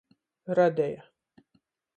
Radeja.